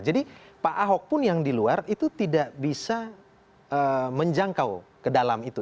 jadi pak ahok pun yang di luar itu tidak bisa menjangkau ke dalam itu